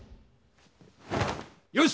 よし！